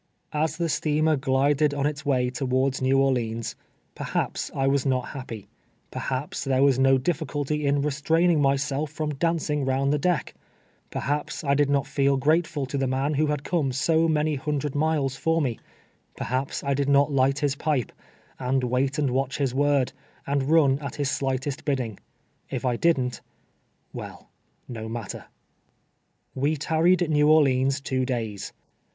As the steamer glided on its May towards Kew Orleans, iicrha/ps I Avas not liai)2\v — lyevKaps tliere was no ditlicnltv in restrainino myself from dancing round the deck — perliaps I did not feel grateful to the man who liad come so many hundred miles for me — perhaps I did not light his pipe, and wait and watch his word, and run at his slightest bidding. K I didn't — well, no matter. AVe tarried at New Orleans two days.